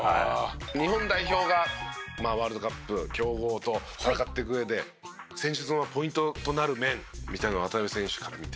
日本代表がワールドカップ強豪と戦っていく上で戦術のポイントとなる面みたいなのは渡邊選手から見て。